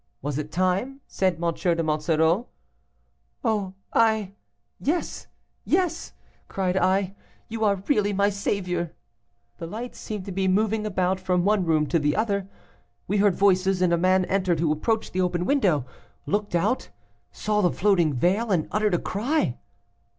Was it time?' said M. de Monsoreau. 'Oh I yes, yes,' cried I, 'you are really my saviour.' "The lights seemed to be moving about from one room to the other. We heard voices, and a man entered who approached the open window, looked out, saw the floating veil, and uttered a cry.